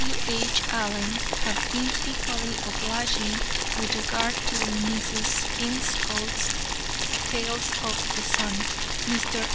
W. H. Allen have been equally obliging with regard to Mrs. Kingscote's "Tales of the Sun." Mr.